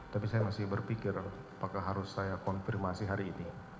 tapi saya masih berpikir apakah harus saya konfirmasi hari ini